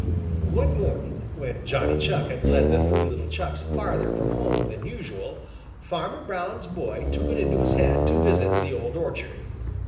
One morning, when Johnny Chuck had led the three little Chucks farther from home than usual, Farmer Brown's boy took it into his head to visit the old orchard.